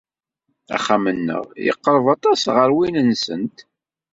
Axxam-nneɣ yeqreb aṭas ɣer win-nsent.